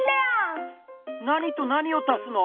何と何を足すの？